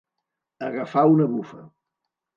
Agafar una bufa.